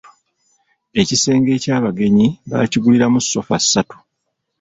Ekisenge eky'abagenyi baakiguliramu sofa satu.